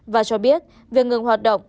và cho biết việc ngừng hoạt động